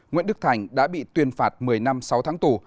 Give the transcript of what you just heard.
nguyễn đức thành đã bị tuyên phạt một mươi năm sáu tháng tù